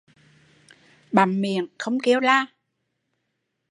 Bặm miệng, không kêu la